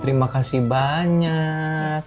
terima kasih banyak